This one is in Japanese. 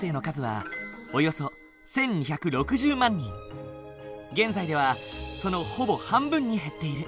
現在ではそのほぼ半分に減っている。